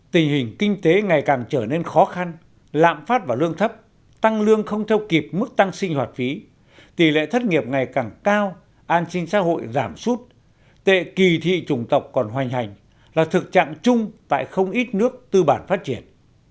tình hình kinh tế ngày càng trở nên khó khăn lạm phát và lương thấp tăng lương không theo kịp mức tăng sinh hoạt phí tỷ lệ thất nghiệp ngày càng cao an sinh xã hội giảm sút tệ kỳ thị trùng tộc còn hoành hành là thực trạng chung tại không ít nước tư bản phát triển